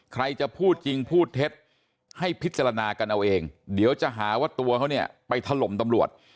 ใครจะพูดจริงพูดเท็จให้พิจารณากันเอาเองเดี๋ยวจะหาว่าตัวเขาเนี่ยไปถล่มตำรวจ